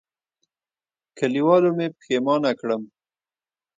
کلیوالو مې پښېمانه کړم.